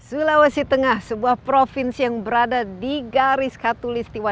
sulawesi tengah sebuah provinsi yang berada di garis katulistiwa